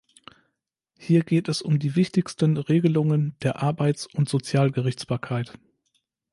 Hier geht es um die wichtigsten Regelungen der Arbeits- und Sozialgerichtsbarkeit.